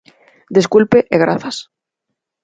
Desculpe, e grazas.